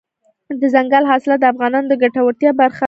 دځنګل حاصلات د افغانانو د ګټورتیا برخه ده.